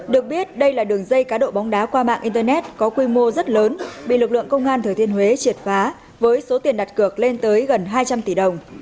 được biết đây là đường dây cá độ bóng đá qua mạng internet có quy mô rất lớn bị lực lượng công an thừa thiên huế triệt phá với số tiền đặt cược lên tới gần hai trăm linh tỷ đồng